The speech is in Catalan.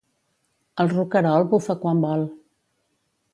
El roquerol bufa quan vol.